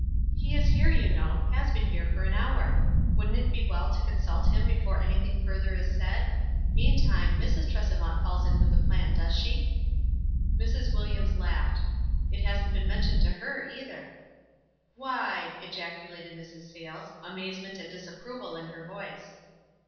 n He is here, you know ; has been here for an hour. Wouldn't it be well to consult him be fore anything further is said? Meantime, Mrs. Trescvant labs in with the plan, does she?" Mrs. Williams laughed. "It hasn't been mentioned to her, either.*' "Why !" ejaculated Mrs. Sayles, amazement and disapproval in her voice.